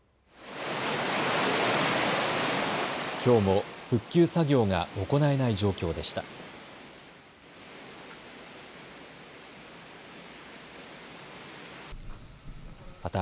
きょうも復旧作業が行えない状況でした。